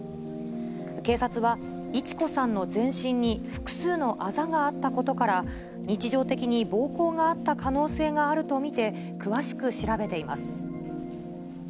警察は、一子さんの全身に複数のあざがあったことから、日常的に暴行があった可能性があると見て、詳しく調べています。